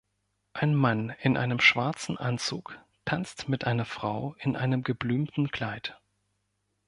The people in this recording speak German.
Ein Mann in einem schwarzen Anzug tanzt mit einer Frau in einem geblümten Kleid.